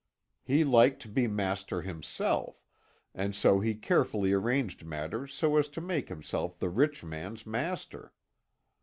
He liked to be master himself, and so he carefully arranged matters so as to make himself the rich man's master.